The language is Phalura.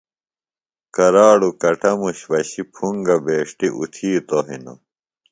کراڑوۡ کٹموش پشیۡ پُھنگہ بیݜٹیۡ اُتِھیتوۡ ہنوۡ